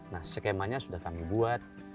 nah skemanya sudah kami buat